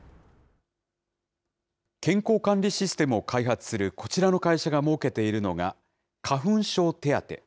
健康管理システムを開発するこちらの会社が設けているのが、花粉症手当。